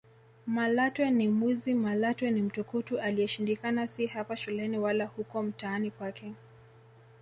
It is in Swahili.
Malatwe ni mwizi Malatwe ni mtukutu aliyeshindikana si hapa shuleni wala huko mtaani kwake